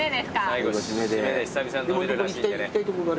最後締めで久々に飲めるらしいんで。